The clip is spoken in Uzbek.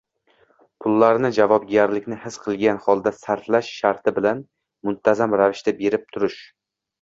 • Pullarni javobgarlikni his qilgan holda sarflash sharti bilan muntazam ravishda berib turish.